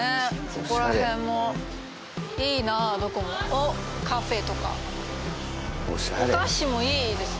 ここら辺もいいなあどこもおっカフェとかお菓子もいいですね